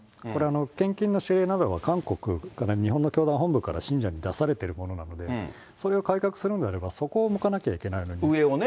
献金の指令などは韓国から日本の教団本部から信者に出されているものなので、それを改革するんであれば、そこを向かなきゃいけな上をね。